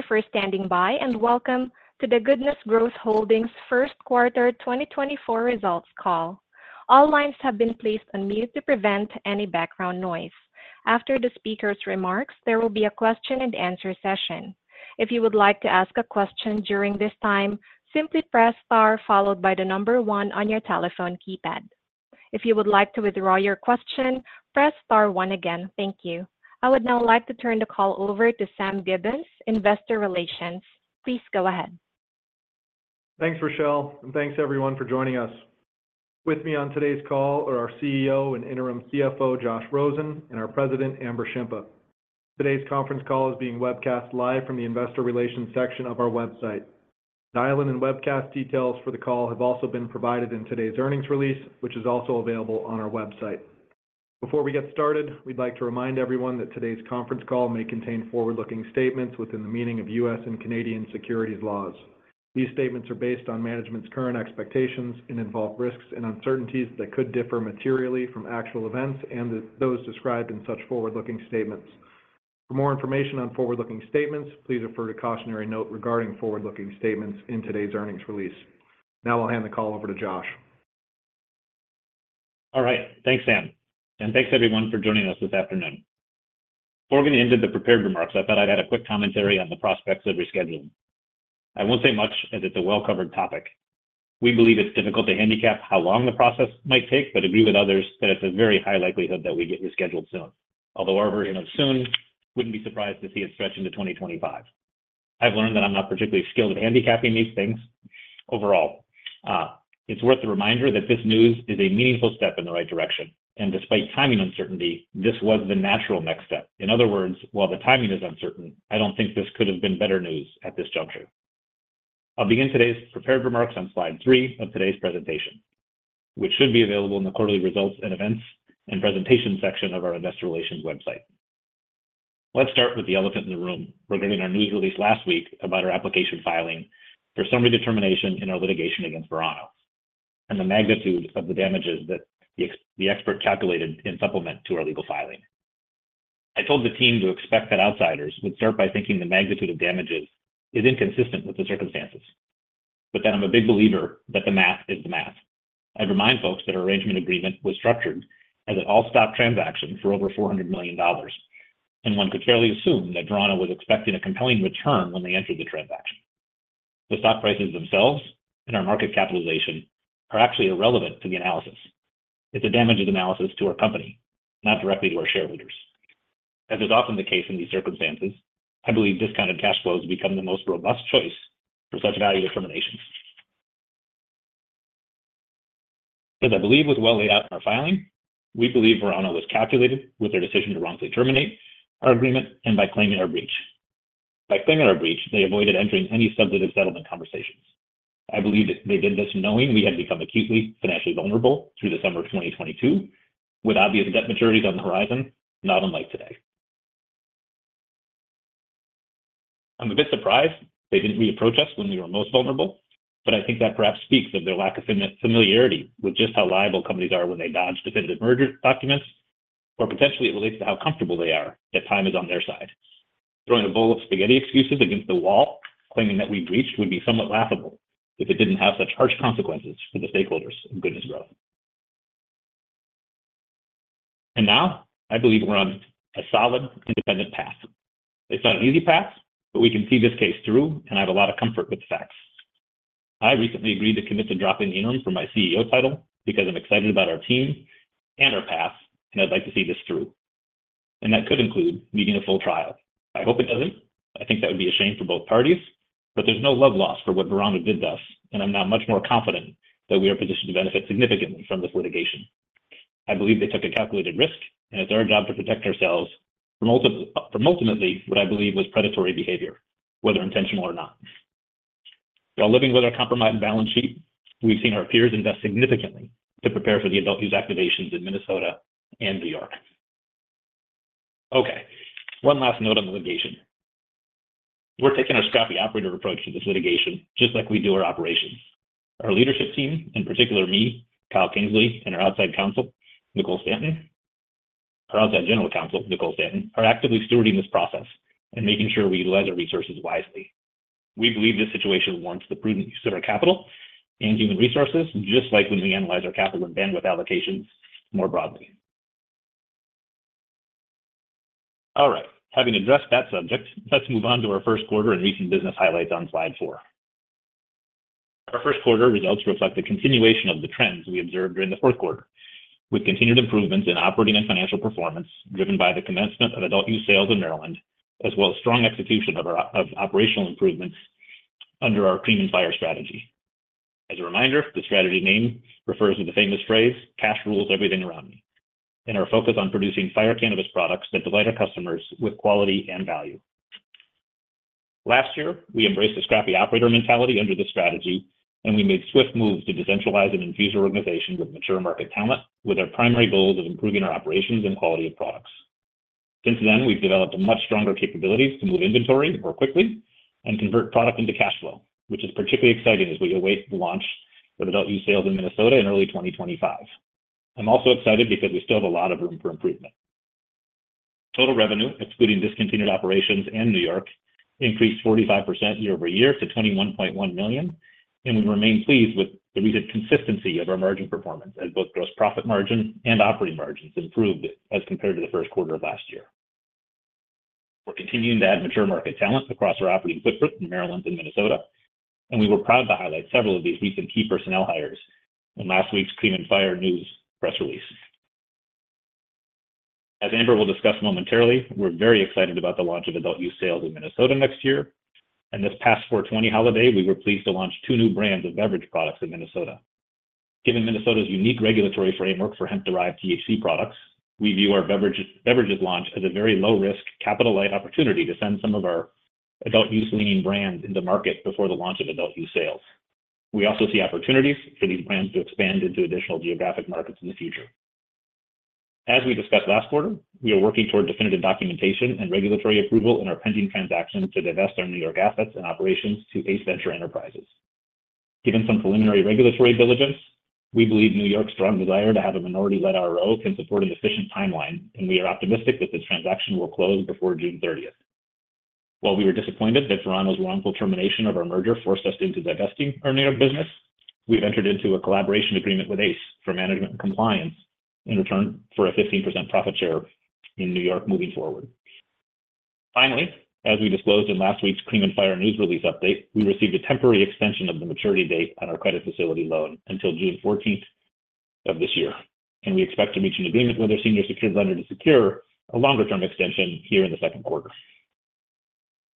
Thank you for standing by and welcome to the Goodness Growth Holdings' first quarter 2024 results call. All lines have been placed on mute to prevent any background noise. After the speaker's remarks, there will be a question-and-answer session. If you would like to ask a question during this time, simply press star followed by the number one on your telephone keypad. If you would like to withdraw your question, press star one again. Thank you. I would now like to turn the call over to Sam Gibbons, Investor Relations. Please go ahead. Thanks, Rochelle, and thanks everyone for joining us. With me on today's call are our CEO and interim CFO, Josh Rosen, and our president, Amber Shimpa. Today's conference call is being webcast live from the Investor Relations section of our website. Dial-in and webcast details for the call have also been provided in today's earnings release, which is also available on our website. Before we get started, we'd like to remind everyone that today's conference call may contain forward-looking statements within the meaning of U.S. and Canadian securities laws. These statements are based on management's current expectations and involve risks and uncertainties that could differ materially from actual events and those described in such forward-looking statements. For more information on forward-looking statements, please refer to cautionary note regarding forward-looking statements in today's earnings release. Now I'll hand the call over to Josh. All right. Thanks, Sam. Thanks everyone for joining us this afternoon. Before we get into the prepared remarks, I thought I'd add a quick commentary on the prospects of rescheduling. I won't say much as it's a well-covered topic. We believe it's difficult to handicap how long the process might take, but agree with others that it's a very high likelihood that we get rescheduled soon, although our version of soon wouldn't be surprised to see it stretch into 2025. I've learned that I'm not particularly skilled at handicapping these things overall. It's worth the reminder that this news is a meaningful step in the right direction, and despite timing uncertainty, this was the natural next step. In other words, while the timing is uncertain, I don't think this could have been better news at this juncture. I'll begin today's prepared remarks on slide three of today's presentation, which should be available in the quarterly results and events and presentation section of our Investor Relations website. Let's start with the elephant in the room regarding our news release last week about our application filing for summary determination in our litigation against Verano and the magnitude of the damages that the expert calculated in supplement to our legal filing. I told the team to expect that outsiders would start by thinking the magnitude of damages is inconsistent with the circumstances, but that I'm a big believer that the math is the math. I'd remind folks that our arrangement agreement was structured as an all-stock transaction for over $400 million, and one could fairly assume that Verano was expecting a compelling return when they entered the transaction. The stock prices themselves and our market capitalization are actually irrelevant to the analysis. It's a damages analysis to our company, not directly to our shareholders. As is often the case in these circumstances, I believe discounted cash flows become the most robust choice for such value determinations. As I believe was well laid out in our filing, we believe Verano was calculated with their decision to wrongfully terminate our agreement and by claiming our breach. By claiming our breach, they avoided entering any substantive settlement conversations. I believe they did this knowing we had become acutely financially vulnerable through the summer of 2022 with obvious debt maturities on the horizon, not unlike today. I'm a bit surprised they didn't reapproach us when we were most vulnerable, but I think that perhaps speaks of their lack of familiarity with just how liable companies are when they dodge definitive merger documents, or potentially it relates to how comfortable they are that time is on their side. Throwing a bowl of spaghetti excuses against the wall, claiming that we breached, would be somewhat laughable if it didn't have such harsh consequences for the stakeholders of Goodness Growth. And now I believe we're on a solid, independent path. It's not an easy path, but we can see this case through, and I have a lot of comfort with the facts. I recently agreed to commit to dropping Interim from my CEO title because I'm excited about our team and our path, and I'd like to see this through. And that could include needing a full trial. I hope it doesn't. I think that would be a shame for both parties, but there's no love lost for what Verano did thus, and I'm now much more confident that we are positioned to benefit significantly from this litigation. I believe they took a calculated risk, and it's our job to protect ourselves from ultimately what I believe was predatory behavior, whether intentional or not. While living with our compromised balance sheet, we've seen our peers invest significantly to prepare for the adult-use activations in Minnesota and New York. Okay. One last note on the litigation. We're taking our scrappy operator approach to this litigation just like we do our operations. Our leadership team, in particular me, Kyle Kingsley, and our outside counsel, Nicole Stanton, our outside general counsel, Nicole Stanton, are actively stewarding this process and making sure we utilize our resources wisely. We believe this situation warrants the prudent use of our capital and human resources, just like when we analyze our capital and bandwidth allocations more broadly. All right. Having addressed that subject, let's move on to our first quarter and recent business highlights on slide four. Our first quarter results reflect the continuation of the trends we observed during the fourth quarter, with continued improvements in operating and financial performance driven by the commencement of adult-use sales in Maryland, as well as strong execution of operational improvements under our Cream and Fire strategy. As a reminder, the strategy name refers to the famous phrase, "Cash rules everything around me," and our focus on producing fire cannabis products that delight our customers with quality and value. Last year, we embraced a scrappy operator mentality under this strategy, and we made swift moves to decentralize and infuse our organization with mature market talent with our primary goals of improving our operations and quality of products. Since then, we've developed much stronger capabilities to move inventory more quickly and convert product into cash flow, which is particularly exciting as we await the launch of adult-use sales in Minnesota in early 2025. I'm also excited because we still have a lot of room for improvement. Total revenue, excluding discontinued operations and New York, increased 45% year-over-year to $21.1 million, and we remain pleased with the recent consistency of our margin performance as both gross profit margin and operating margins improved as compared to the first quarter of last year. We're continuing to add mature market talent across our operating footprint in Maryland and Minnesota, and we were proud to highlight several of these recent key personnel hires in last week's Cream and Fire news press release. As Amber will discuss momentarily, we're very excited about the launch of adult-use sales in Minnesota next year. This past 4/20 holiday, we were pleased to launch 2 new brands of beverage products in Minnesota. Given Minnesota's unique regulatory framework for hemp-derived THC products, we view our beverages launch as a very low-risk, capital-light opportunity to send some of our adult-use-leaning brands into market before the launch of adult-use sales. We also see opportunities for these brands to expand into additional geographic markets in the future. As we discussed last quarter, we are working toward definitive documentation and regulatory approval in our pending transaction to divest our New York assets and operations to Ace Venture Enterprises. Given some preliminary regulatory diligence, we believe New York's strong desire to have a minority-led RO can support an efficient timeline, and we are optimistic that this transaction will close before June 30th. While we were disappointed that Verano's wrongful termination of our merger forced us into divesting our New York business, we've entered into a collaboration agreement with Ace for management and compliance in return for a 15% profit share in New York moving forward. Finally, as we disclosed in last week's Cream and Fire news release update, we received a temporary extension of the maturity date on our credit facility loan until June 14th of this year, and we expect to reach an agreement with our senior secured lender to secure a longer-term extension here in the second quarter.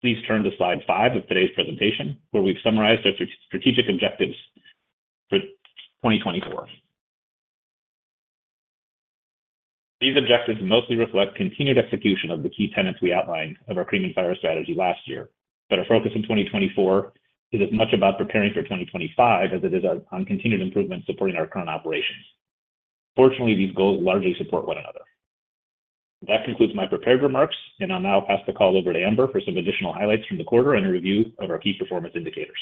Please turn to slide five of today's presentation, where we've summarized our strategic objectives for 2024. These objectives mostly reflect continued execution of the key tenets we outlined of our Cream and Fire strategy last year, but our focus in 2024 is as much about preparing for 2025 as it is on continued improvements supporting our current operations. Fortunately, these goals largely support one another. That concludes my prepared remarks, and I'll now pass the call over to Amber for some additional highlights from the quarter and a review of our key performance indicators.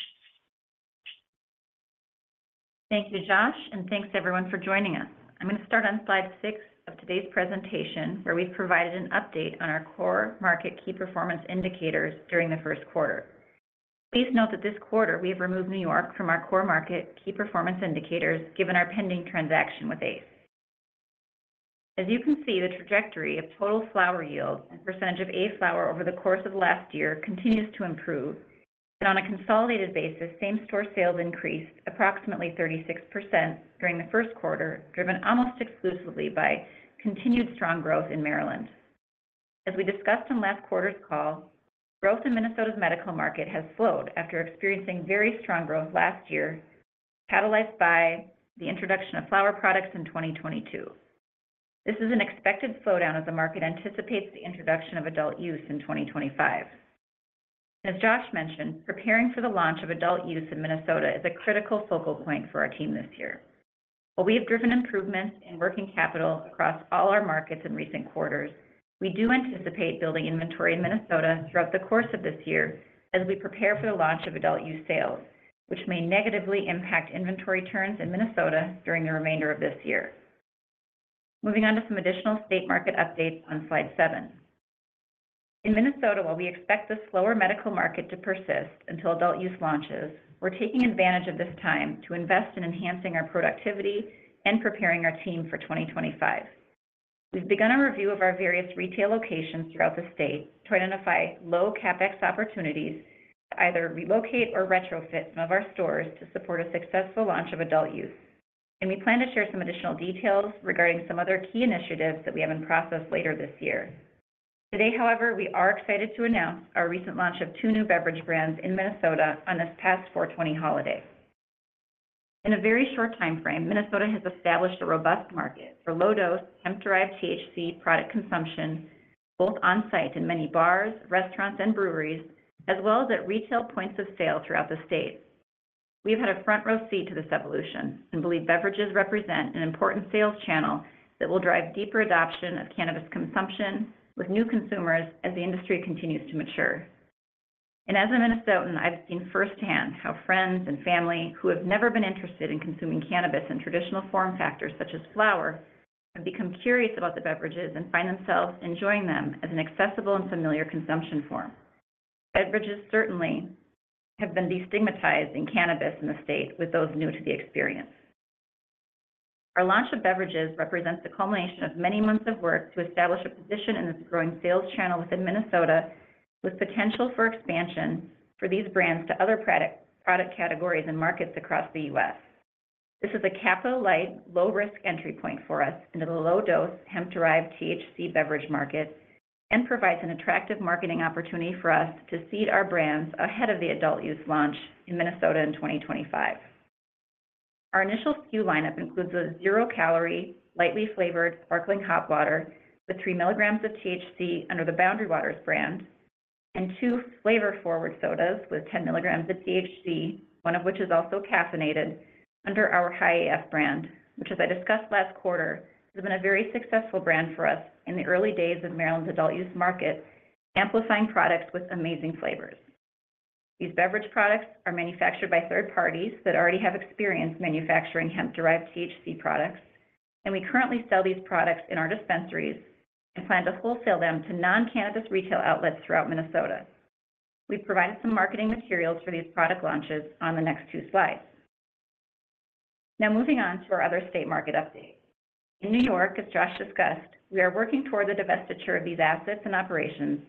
Thank you, Josh, and thanks everyone for joining us. I'm going to start on slide six of today's presentation, where we've provided an update on our core market key performance indicators during the first quarter. Please note that this quarter, we have removed New York from our core market key performance indicators given our pending transaction with Ace. As you can see, the trajectory of total flower yield and percentage of A flower over the course of last year continues to improve, and on a consolidated basis, same-store sales increased approximately 36% during the first quarter, driven almost exclusively by continued strong growth in Maryland. As we discussed on last quarter's call, growth in Minnesota's medical market has slowed after experiencing very strong growth last year, catalyzed by the introduction of flower products in 2022. This is an expected slowdown as the market anticipates the introduction of adult use in 2025. As Josh mentioned, preparing for the launch of adult use in Minnesota is a critical focal point for our team this year. While we have driven improvements in working capital across all our markets in recent quarters, we do anticipate building inventory in Minnesota throughout the course of this year as we prepare for the launch of adult use sales, which may negatively impact inventory turns in Minnesota during the remainder of this year. Moving on to some additional state market updates on slide seven. In Minnesota, while we expect the slower medical market to persist until adult use launches, we're taking advantage of this time to invest in enhancing our productivity and preparing our team for 2025. We've begun a review of our various retail locations throughout the state to identify low-CapEx opportunities to either relocate or retrofit some of our stores to support a successful launch of adult use, and we plan to share some additional details regarding some other key initiatives that we have in process later this year. Today, however, we are excited to announce our recent launch of 2 new beverage brands in Minnesota on this past 4/20 holiday. In a very short time frame, Minnesota has established a robust market for low-dose hemp-derived THC product consumption, both on-site in many bars, restaurants, and breweries, as well as at retail points of sale throughout the state. We've had a front-row seat to this evolution and believe beverages represent an important sales channel that will drive deeper adoption of cannabis consumption with new consumers as the industry continues to mature. As a Minnesotan, I've seen firsthand how friends and family who have never been interested in consuming cannabis in traditional form factors such as flower have become curious about the beverages and find themselves enjoying them as an accessible and familiar consumption form. Beverages certainly have been destigmatizing cannabis in the state with those new to the experience. Our launch of beverages represents the culmination of many months of work to establish a position in this growing sales channel within Minnesota with potential for expansion for these brands to other product categories and markets across the U.S. This is a capital-light, low-risk entry point for us into the low-dose hemp-derived THC beverage market and provides an attractive marketing opportunity for us to seed our brands ahead of the adult-use launch in Minnesota in 2025. Our initial SKU lineup includes a zero-calorie, lightly flavored, sparkling water with 3 mg of THC under the Boundary Waters brand and two flavor-forward sodas with 10 mg of THC, one of which is also caffeinated, under our Hi-AF brand, which, as I discussed last quarter, has been a very successful brand for us in the early days of Maryland's adult-use market, amplifying products with amazing flavors. These beverage products are manufactured by third parties that already have experience manufacturing hemp-derived THC products, and we currently sell these products in our dispensaries and plan to wholesale them to non-cannabis retail outlets throughout Minnesota. We've provided some marketing materials for these product launches on the next two slides. Now moving on to our other state market update. In New York, as Josh discussed, we are working toward the divestiture of these assets and operations,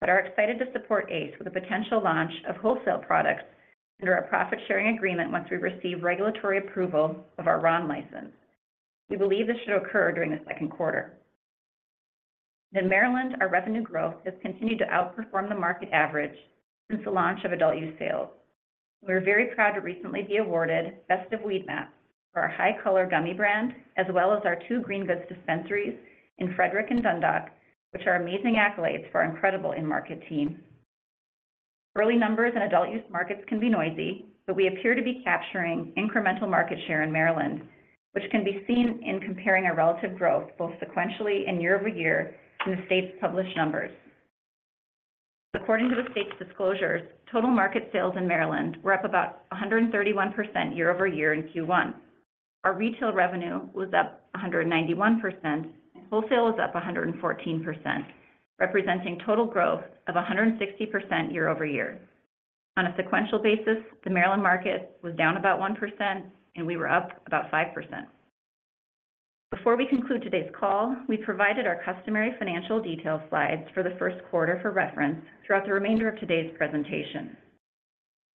but are excited to support Ace with a potential launch of wholesale products under a profit-sharing agreement once we receive regulatory approval of our RO license. We believe this should occur during the second quarter. In Maryland, our revenue growth has continued to outperform the market average since the launch of adult-use sales. We are very proud to recently be awarded Best of Weedmaps for our HiColor gummy brand, as well as our two Green Goods dispensaries in Frederick and Dundalk, which are amazing accolades for our incredible in-market team. Early numbers in adult-use markets can be noisy, but we appear to be capturing incremental market share in Maryland, which can be seen in comparing our relative growth both sequentially and year-over-year in the state's published numbers. According to the state's disclosures, total market sales in Maryland were up about 131% year-over-year in Q1. Our retail revenue was up 191%, and wholesale was up 114%, representing total growth of 160% year-over-year. On a sequential basis, the Maryland market was down about 1%, and we were up about 5%. Before we conclude today's call, we provided our customary financial detail slides for the first quarter for reference throughout the remainder of today's presentation.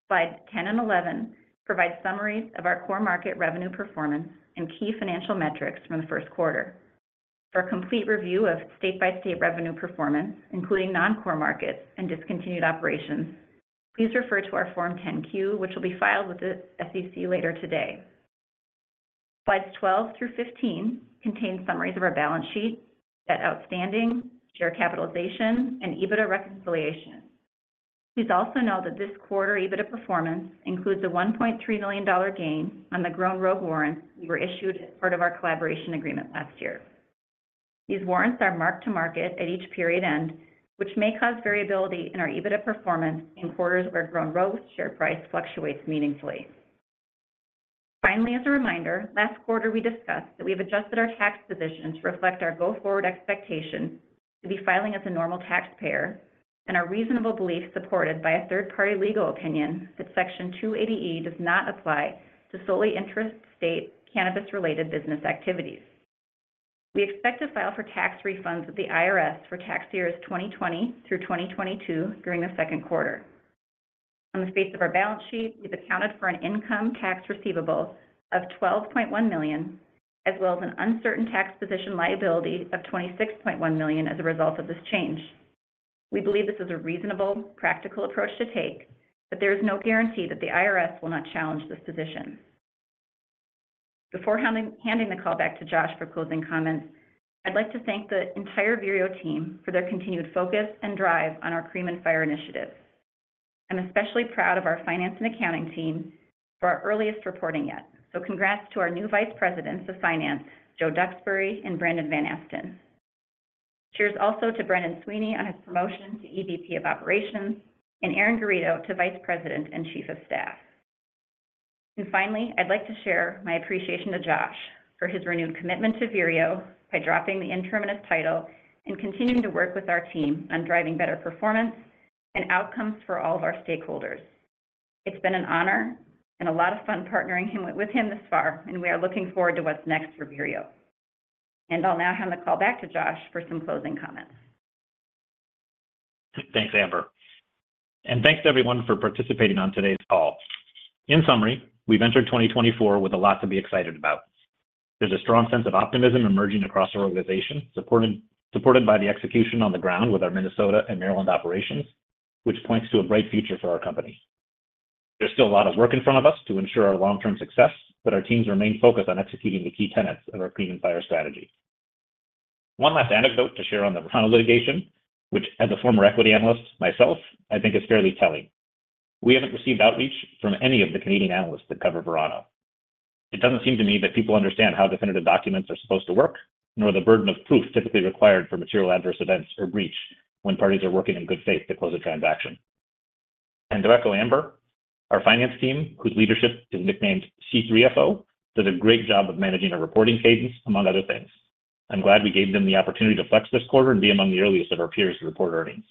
Slide 10 and 11 provide summaries of our core market revenue performance and key financial metrics from the first quarter. For a complete review of state-by-state revenue performance, including non-core markets and discontinued operations, please refer to our Form 10-Q, which will be filed with the SEC later today. Slides 12 through 15 contain summaries of our balance sheet, debt outstanding, share capitalization, and EBITDA reconciliation. Please also know that this quarter EBITDA performance includes a $1.3 million gain on the Grown Rogue warrants we were issued as part of our collaboration agreement last year. These warrants are marked to market at each period end, which may cause variability in our EBITDA performance in quarters where Grown Rogue's share price fluctuates meaningfully. Finally, as a reminder, last quarter we discussed that we have adjusted our tax position to reflect our go-forward expectation to be filing as a normal taxpayer and our reasonable belief supported by a third-party legal opinion that Section 280E does not apply to solely intrastate cannabis-related business activities. We expect to file for tax refunds with the IRS for tax years 2020 through 2022 during the second quarter. On the face of our balance sheet, we've accounted for an income tax receivable of $12.1 million, as well as an uncertain tax position liability of $26.1 million as a result of this change. We believe this is a reasonable, practical approach to take, but there is no guarantee that the IRS will not challenge this position. Before handing the call back to Josh for closing comments, I'd like to thank the entire Vireo team for their continued focus and drive on our Cream and Fire initiative. I'm especially proud of our finance and accounting team for our earliest reporting yet, so congrats to our new vice presidents of finance, Joe Duxbury and Brandon Van Asten. Cheers also to Brandon Sweeney on his promotion to EVP of operations and Aaron Garrido to vice president and chief of staff. And finally, I'd like to share my appreciation to Josh for his renewed commitment to Vireo by dropping the interim title and continuing to work with our team on driving better performance and outcomes for all of our stakeholders. It's been an honor and a lot of fun partnering with him thus far, and we are looking forward to what's next for Vireo. I'll now hand the call back to Josh for some closing comments. Thanks, Amber. Thanks to everyone for participating on today's call. In summary, we've entered 2024 with a lot to be excited about. There's a strong sense of optimism emerging across our organization, supported by the execution on the ground with our Minnesota and Maryland operations, which points to a bright future for our company. There's still a lot of work in front of us to ensure our long-term success, but our teams remain focused on executing the key tenets of our Cream and Fire strategy. One last anecdote to share on the Verano litigation, which as a former equity analyst myself, I think is fairly telling. We haven't received outreach from any of the Canadian analysts that cover Verano. It doesn't seem to me that people understand how definitive documents are supposed to work, nor the burden of proof typically required for material adverse events or breach when parties are working in good faith to close a transaction. And to echo Amber, our finance team, whose leadership is nicknamed C3FO, does a great job of managing a reporting cadence, among other things. I'm glad we gave them the opportunity to flex this quarter and be among the earliest of our peers to report earnings.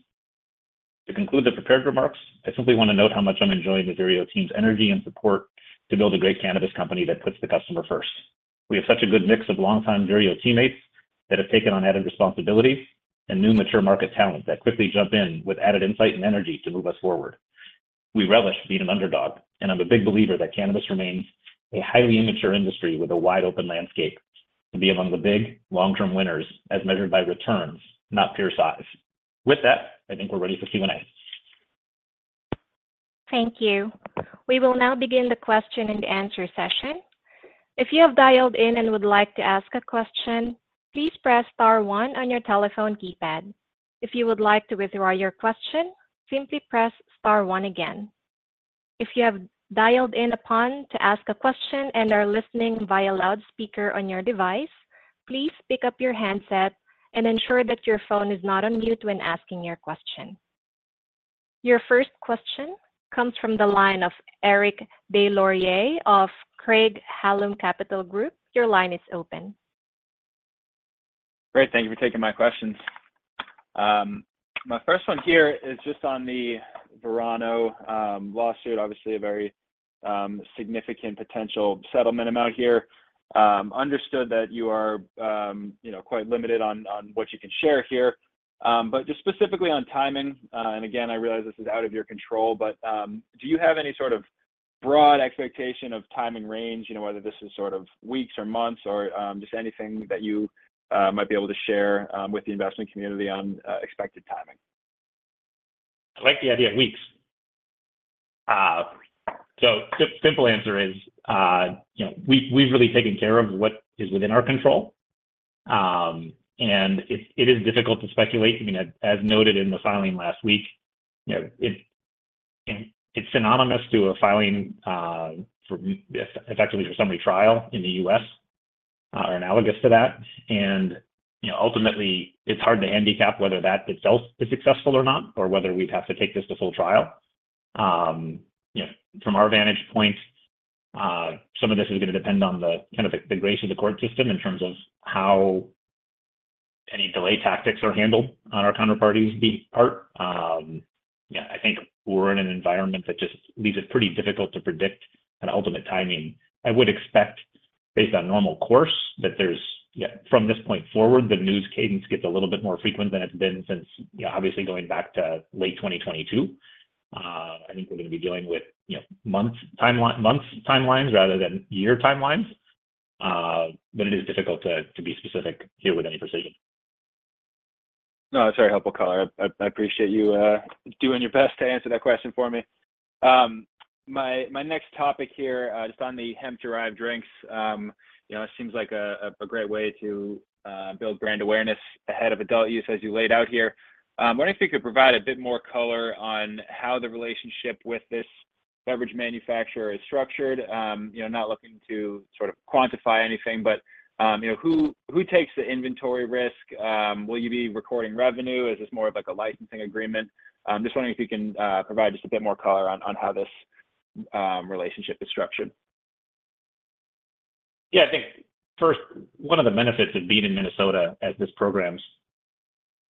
To conclude the prepared remarks, I simply want to note how much I'm enjoying the Vireo team's energy and support to build a great cannabis company that puts the customer first. We have such a good mix of longtime Vireo teammates that have taken on added responsibility and new mature market talent that quickly jump in with added insight and energy to move us forward. We relish being an underdog, and I'm a big believer that cannabis remains a highly immature industry with a wide open landscape to be among the big long-term winners as measured by returns, not pure size. With that, I think we're ready for Q&A. Thank you. We will now begin the question and answer session. If you have dialed in and would like to ask a question, please press star one on your telephone keypad. If you would like to withdraw your question, simply press star one again. If you have dialed in but want to ask a question and are listening via loudspeaker on your device, please pick up your handset and ensure that your phone is not on mute when asking your question. Your first question comes from the line of Eric Des Lauriers of Craig-Hallum Capital Group. Your line is open. Great. Thank you for taking my questions. My first one here is just on the Verano lawsuit, obviously a very significant potential settlement amount here. Understood that you are quite limited on what you can share here, but just specifically on timing and again, I realize this is out of your control, but do you have any sort of broad expectation of timing range, whether this is sort of weeks or months or just anything that you might be able to share with the investment community on expected timing? I like the idea of weeks. So simple answer is we've really taken care of what is within our control, and it is difficult to speculate. I mean, as noted in the filing last week, it's synonymous to a filing effectively for summary trial in the U.S. or analogous to that. And ultimately, it's hard to handicap whether that itself is successful or not or whether we'd have to take this to full trial. From our vantage point, some of this is going to depend on kind of the grace of the court system in terms of how any delay tactics are handled on our counterparties' part. I think we're in an environment that just leaves it pretty difficult to predict an ultimate timing. I would expect, based on normal course, that from this point forward, the news cadence gets a little bit more frequent than it's been since, obviously, going back to late 2022. I think we're going to be dealing with months timelines rather than year timelines. But it is difficult to be specific here with any precision. No, it's very helpful, Color. I appreciate you doing your best to answer that question for me. My next topic here, just on the hemp-derived drinks, it seems like a great way to build brand awareness ahead of adult-use, as you laid out here. I'm wondering if you could provide a bit more color on how the relationship with this beverage manufacturer is structured. Not looking to sort of quantify anything, but who takes the inventory risk? Will you be recording revenue? Is this more of a licensing agreement? Just wondering if you can provide just a bit more color on how this relationship is structured. Yeah. I think first, one of the benefits of being in Minnesota as this program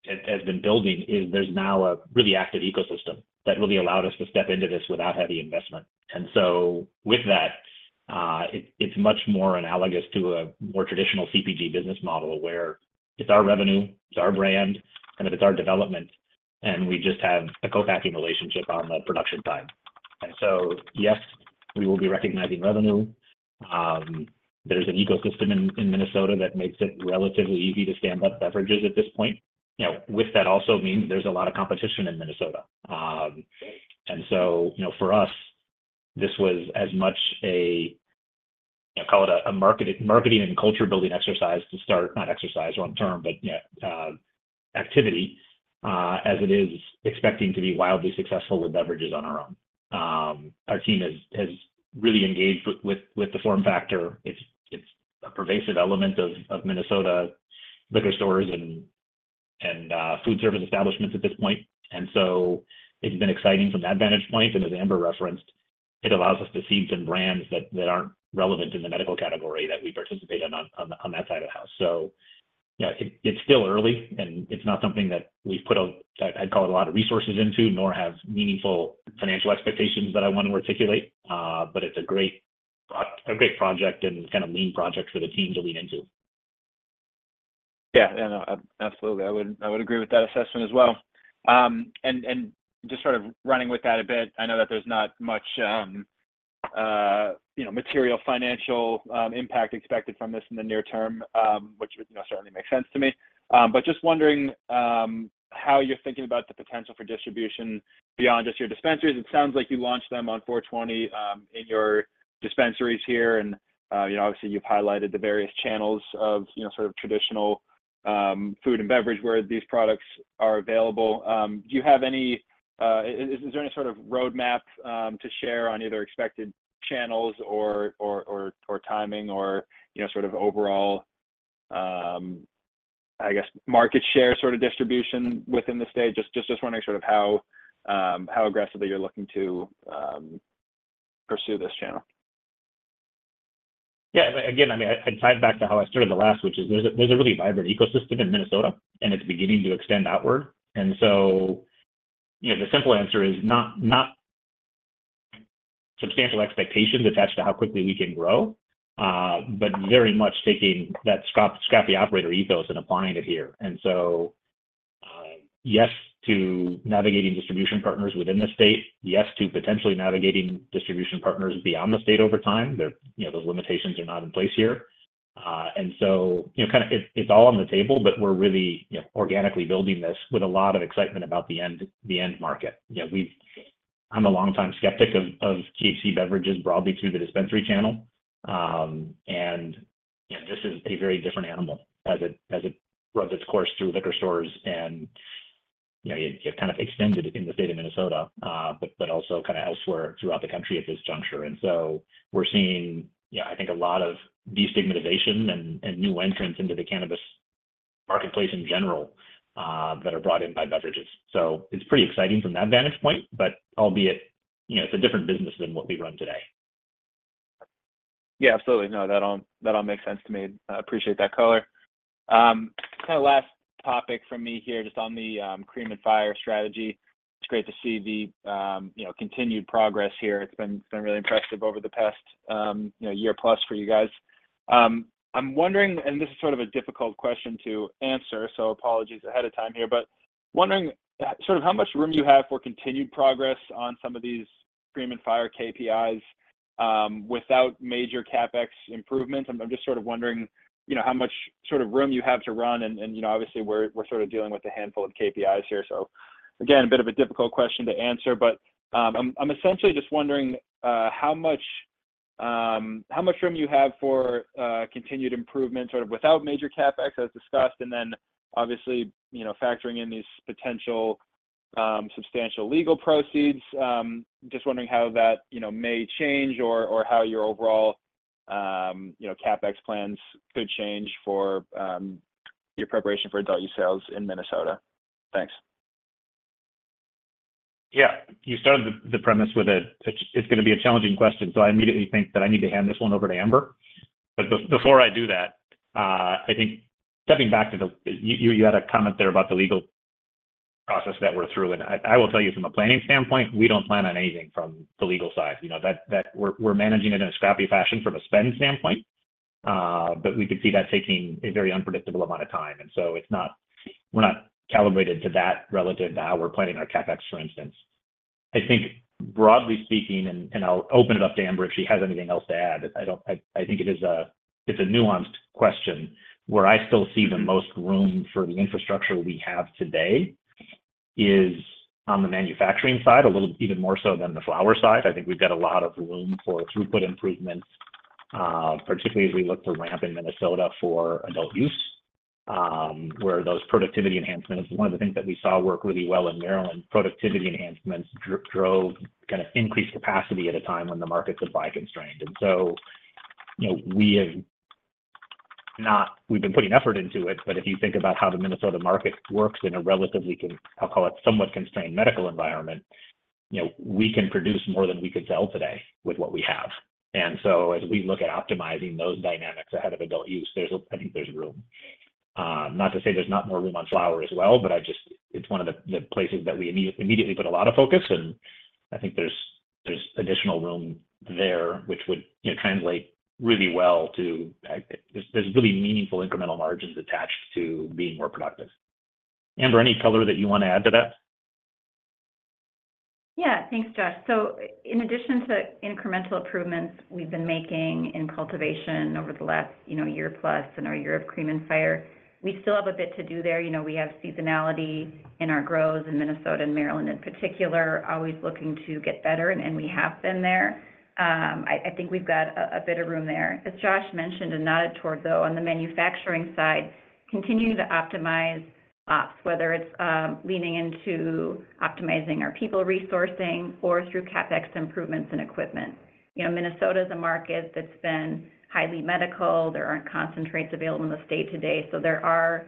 has been building is there's now a really active ecosystem that really allowed us to step into this without heavy investment. And so with that, it's much more analogous to a more traditional CPG business model where it's our revenue, it's our brand, kind of it's our development, and we just have a co-packing relationship on the production side. And so yes, we will be recognizing revenue. There's an ecosystem in Minnesota that makes it relatively easy to stand up beverages at this point. With that also means there's a lot of competition in Minnesota. And so for us, this was as much a call it a marketing and culture-building exercise to start not exercise wrong term, but activity as it is expecting to be wildly successful with beverages on our own. Our team has really engaged with the form factor. It's a pervasive element of Minnesota liquor stores and food service establishments at this point. As Amber referenced, it allows us to seed some brands that aren't relevant in the medical category that we participate in on that side of the house. It's still early, and it's not something that we've put, I'd call it, a lot of resources into, nor have meaningful financial expectations that I want to articulate. It's a great project and kind of lean project for the team to lean into. Yeah. Yeah. No, absolutely. I would agree with that assessment as well. And just sort of running with that a bit, I know that there's not much material financial impact expected from this in the near term, which certainly makes sense to me. But just wondering how you're thinking about the potential for distribution beyond just your dispensaries. It sounds like you launched them on 4/20 in your dispensaries here, and obviously, you've highlighted the various channels of sort of traditional food and beverage where these products are available. Is there any sort of roadmap to share on either expected channels or timing or sort of overall, I guess, market share sort of distribution within the state? Just wondering sort of how aggressively you're looking to pursue this channel. Yeah. Again, I mean, I'd tie it back to how I started the last, which is there's a really vibrant ecosystem in Minnesota, and it's beginning to extend outward. And so the simple answer is not substantial expectations attached to how quickly we can grow, but very much taking that scrappy operator ethos and applying it here. And so yes to navigating distribution partners within the state, yes to potentially navigating distribution partners beyond the state over time. Those limitations are not in place here. And so kind of it's all on the table, but we're really organically building this with a lot of excitement about the end market. I'm a long-time skeptic of THC beverages broadly through the dispensary channel. This is a very different animal as it runs its course through liquor stores, and you've kind of extended it in the state of Minnesota, but also kind of elsewhere throughout the country at this juncture. So we're seeing, I think, a lot of destigmatization and new entrants into the cannabis marketplace in general that are brought in by beverages. It's pretty exciting from that vantage point, but albeit it's a different business than what we run today. Yeah, absolutely. No, that all makes sense to me. I appreciate that, Color. Kind of last topic from me here just on the Cream and Fire strategy. It's great to see the continued progress here. It's been really impressive over the past year-plus for you guys. I'm wondering and this is sort of a difficult question to answer, so apologies ahead of time here, but wondering sort of how much room you have for continued progress on some of these Cream and Fire KPIs without major CapEx improvements. I'm just sort of wondering how much sort of room you have to run. And obviously, we're sort of dealing with a handful of KPIs here. So again, a bit of a difficult question to answer, but I'm essentially just wondering how much room you have for continued improvement sort of without major CapEx, as discussed, and then obviously factoring in these potential substantial legal proceeds. Just wondering how that may change or how your overall CapEx plans could change for your preparation for adult use sales in Minnesota. Thanks. Yeah. You started the premise with it's going to be a challenging question, so I immediately think that I need to hand this one over to Amber. But before I do that, I think stepping back to the you had a comment there about the legal process that we're through. And I will tell you, from a planning standpoint, we don't plan on anything from the legal side. We're managing it in a scrappy fashion from a spend standpoint, but we could see that taking a very unpredictable amount of time. And so we're not calibrated to that relative to how we're planning our CapEx, for instance. I think, broadly speaking and I'll open it up to Amber if she has anything else to add. I think it's a nuanced question. Where I still see the most room for the infrastructure we have today is on the manufacturing side, even more so than the flower side. I think we've got a lot of room for throughput improvements, particularly as we look to ramp in Minnesota for adult use, where those productivity enhancements, one of the things that we saw work really well in Maryland, productivity enhancements drove kind of increased capacity at a time when the markets were buy constrained. And so we've been putting effort into it, but if you think about how the Minnesota market works in a relatively, I'll call it, somewhat constrained medical environment, we can produce more than we could sell today with what we have. And so as we look at optimizing those dynamics ahead of adult use, I think there's room. Not to say there's not more room on flower as well, but it's one of the places that we immediately put a lot of focus, and I think there's additional room there, which would translate really well to there's really meaningful incremental margins attached to being more productive. Amber, any color that you want to add to that? Yeah. Thanks, Josh. So in addition to incremental improvements we've been making in cultivation over the last year-plus in our year of Cream and Fire, we still have a bit to do there. We have seasonality in our grows in Minnesota and Maryland in particular, always looking to get better, and we have been there. I think we've got a bit of room there. As Josh mentioned and nodded towards, though, on the manufacturing side, continuing to optimize ops, whether it's leaning into optimizing our people resourcing or through CapEx improvements in equipment. Minnesota is a market that's been highly medical. There aren't concentrates available in the state today. So there are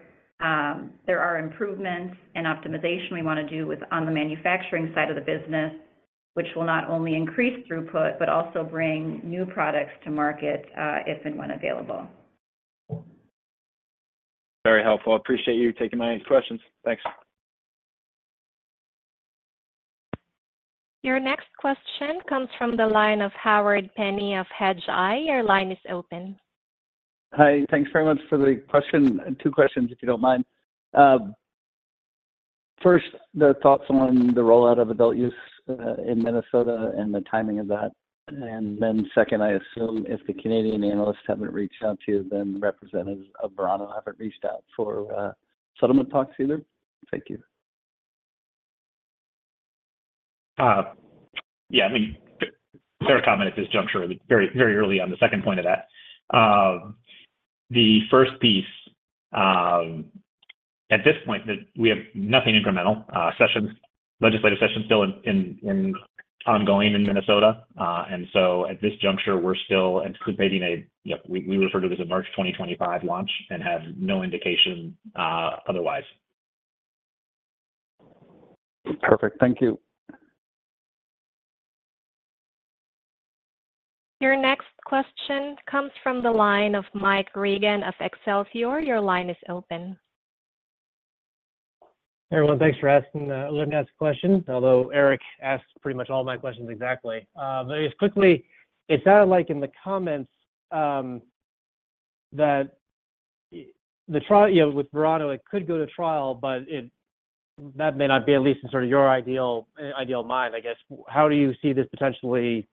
improvements and optimization we want to do on the manufacturing side of the business, which will not only increase throughput but also bring new products to market if and when available. Very helpful. Appreciate you taking my questions. Thanks. Your next question comes from the line of Howard Penney of Hedgeye. Your line is open. Hi. Thanks very much for the question. Two questions, if you don't mind. First, the thoughts on the rollout of adult use in Minnesota and the timing of that. And then second, I assume if the Canadian analysts haven't reached out to you, then the representatives of Verano haven't reached out for settlement talks either. Thank you. Yeah. I mean, fair comment at this juncture, very early on the second point of that. The first piece, at this point, we have nothing incremental. Legislative sessions still ongoing in Minnesota. And so at this juncture, we're still anticipating a we refer to this as a March 2025 launch and have no indication otherwise. Perfect. Thank you. Your next question comes from the line of Mike Regan of Excelsior. Your line is open. Everyone, thanks for asking. Let me ask a question, although Eric asked pretty much all my questions exactly. But just quickly, it sounded like in the comments that with Verano, it could go to trial, but that may not be at least in sort of your ideal mind, I guess. How do you see this potentially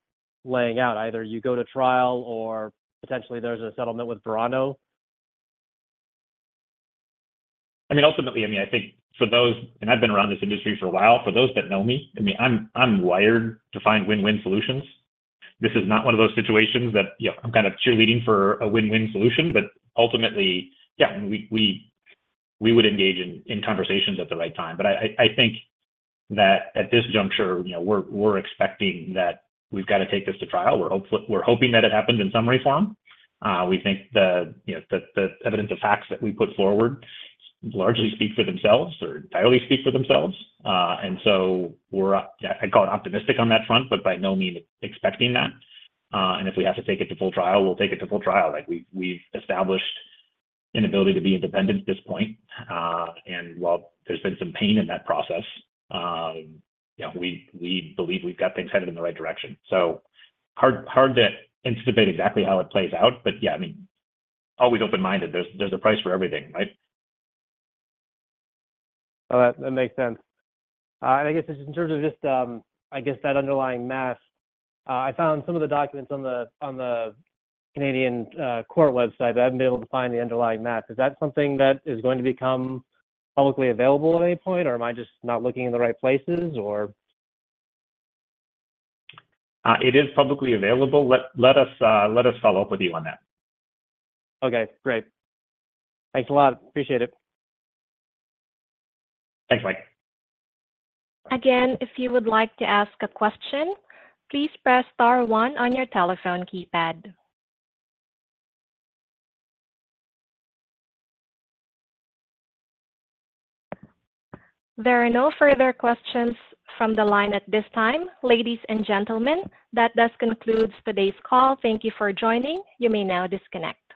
playing out? Either you go to trial or potentially there's a settlement with Verano? I mean, ultimately, I mean, I think for those and I've been around this industry for a while. For those that know me, I mean, I'm wired to find win-win solutions. This is not one of those situations that I'm kind of cheerleading for a win-win solution. But ultimately, yeah, we would engage in conversations at the right time. But I think that at this juncture, we're expecting that we've got to take this to trial. We're hoping that it happens in some reform. We think the evidence of facts that we put forward largely speak for themselves or entirely speak for themselves. And so we're, I'd call it optimistic on that front, but by no means expecting that. And if we have to take it to full trial, we'll take it to full trial. We've established an ability to be independent at this point. While there's been some pain in that process, we believe we've got things headed in the right direction. Hard to anticipate exactly how it plays out, but yeah, I mean, always open-minded. There's a price for everything, right? That makes sense. I guess just in terms of just, I guess, that underlying math, I found some of the documents on the Canadian court website. I haven't been able to find the underlying math. Is that something that is going to become publicly available at any point, or am I just not looking in the right places, or? It is publicly available. Let us follow up with you on that. Okay. Great. Thanks a lot. Appreciate it. Thanks, Mike. Again, if you would like to ask a question, please press star one on your telephone keypad. There are no further questions from the line at this time. Ladies and gentlemen, that does conclude today's call. Thank you for joining. You may now disconnect.